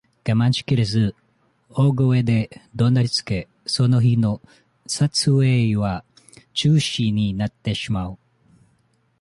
我慢しきれず、大声で怒鳴りつけ、その日の撮影は中止になってしまう。